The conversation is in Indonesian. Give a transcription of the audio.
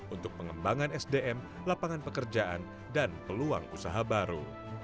untuk pengembangan sdm lapangan pekerjaan dan peluang usaha baru